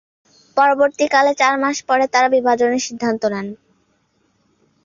পরবর্তীকালে চার মাস পরে তারা বিভাজনের সিদ্ধান্ত নেন।